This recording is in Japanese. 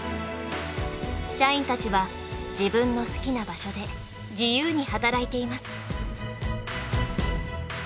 社員たちは自分の好きな場所で自由に働いています。